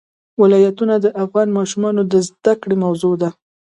ولایتونه د افغان ماشومانو د زده کړې موضوع ده.